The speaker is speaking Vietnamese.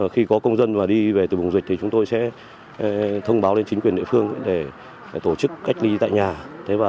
khi có công dân đi về từ vùng dịch thì chúng tôi sẽ thông báo lên chính quyền địa phương để tổ chức cách ly tại nhà